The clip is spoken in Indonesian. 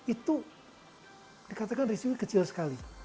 itu dikatakan risikonya kecil sekali